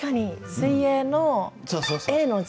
「水泳」の「泳」の字。